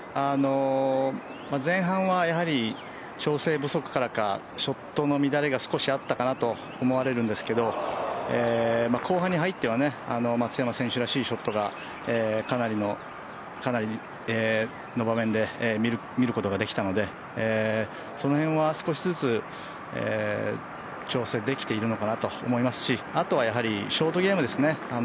前半は調整不足からかショットの乱れが少しあったかなと思うんですけど後半に入っては松山選手らしいショットがかなりの場面で見ることができたのでその辺は少しずつ調整できているのかなと思いますしあとは、ショートゲームですね